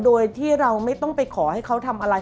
โดยที่เราไม่ต้องไปขอให้เขาทำอะไร